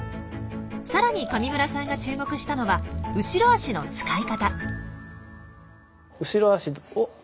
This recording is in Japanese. さらに上村さんが注目したのは後ろ足の使い方。